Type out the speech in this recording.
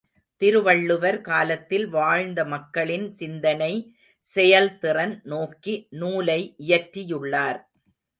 திருவள்ளுவர் காலத்தில் வாழ்ந்த மக்களின் சிந்தனை செயல்திறன் நோக்கி நூலை இயற்றியுள்ளார்.